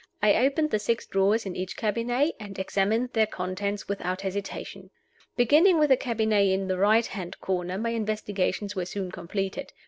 I opened the si x drawers in each cabinet, and examined their contents without hesitation. Beginning with the cabinet in the right hand corner, my investigations were soon completed.